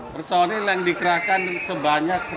persoalan yang dikerahkan sebanyak satu ratus dua puluh lima